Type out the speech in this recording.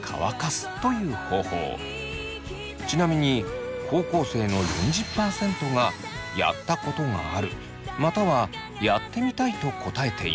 ちなみに高校生の４０％がやったことがあるまたはやってみたいと答えています。